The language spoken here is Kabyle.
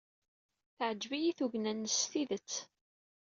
Teɛjeb-iyi tugna-nnek s tidet.